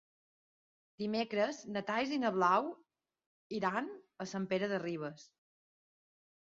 Dimecres na Thaís i na Blau iran a Sant Pere de Ribes.